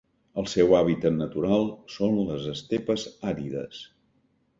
El seu hàbitat natural són les estepes àrides.